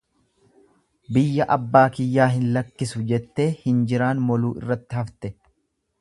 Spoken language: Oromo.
Biyya abbaa kiyyaa hin gallakkisu jettee hinjiraan moluu irratti hafte.